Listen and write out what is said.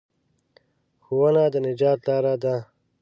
ښوونه د نجات لاره ده.